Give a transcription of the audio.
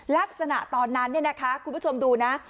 ลักษณะตอนนั้นเนี่ยนะคะคุณผู้ชมดูนะ